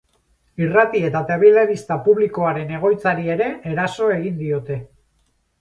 Irrati eta telebista publikoaren egoitzari ere eraso egin diote.